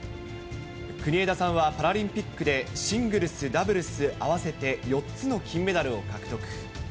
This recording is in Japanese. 国枝さんはパラリンピックでシングルス、ダブルス合わせて４つの金メダルを獲得。